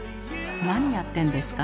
何やってんですか？